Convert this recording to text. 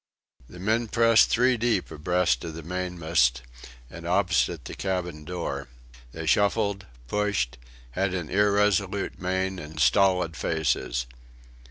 The men pressed three deep abreast of the mainmast and opposite the cabin door. They shuffled, pushed, had an irresolute mien and stolid faces.